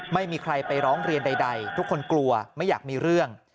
ไม่มีใครไปร้องเรียนใดทุกคนกลัวไม่อยากมีเรื่อง